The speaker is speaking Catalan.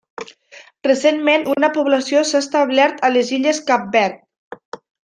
Recentment una població s'ha establert a les Illes Cap Verd.